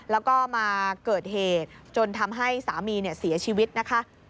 แล้วก็มาเกิดเหตุจนทำให้สามีเสียชีวิตนะคะ